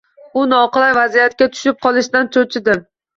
U noqulay vaziyatga tushib qolishdan cho‘chidim.